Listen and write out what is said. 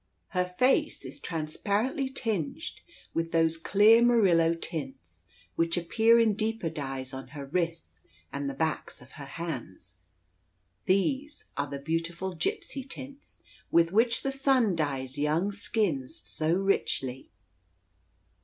Her face is transparently tinged with those clear Murillo tints which appear in deeper dyes on her wrists and the backs of her hands. These are the beautiful gipsy tints with which the sun dyes young skins so richly.